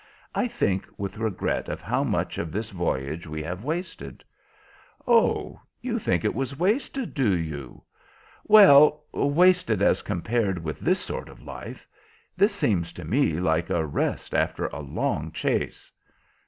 I think with regret of how much of this voyage we have wasted." "Oh, you think it was wasted, do you?" "Well, wasted as compared with this sort of life. This seems to me like a rest after a long chase."